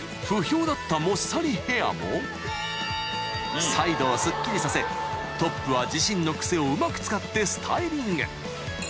［不評だったもっさりヘアもサイドをすっきりさせトップは自身の癖をうまく使ってスタイリング］